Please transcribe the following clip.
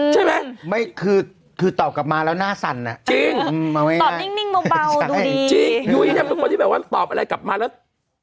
ใช่ไหมไม่คือคือตอบกลับมาแล้วหน้าสั่นอ่ะจริงตอบนิ่งเบาดูดีจริงยุ้ยเนี่ยเป็นคนที่แบบว่าตอบอะไรกลับมาแล้ว